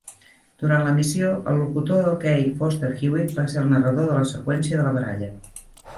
Durant l'emissió, el locutor d'hoquei Foster Hewitt va ser el narrador de la seqüència de la baralla.